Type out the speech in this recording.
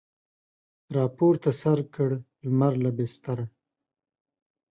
راپورته سر کړ لمر له بستره